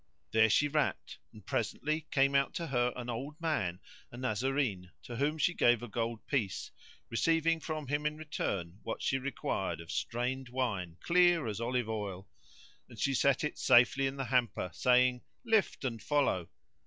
There she rapped, and presently came out to her an old man, a Nazarene, to whom she gave a gold piece, receiving from him in return what she required of strained wine clear as olive oil; and she set it safely in the hamper, saying "Lift and follow."